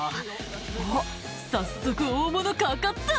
「おっ早速大物かかった！」